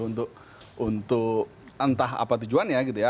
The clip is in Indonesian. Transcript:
untuk entah apa tujuannya gitu ya